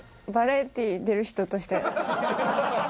バラエティー出る人として。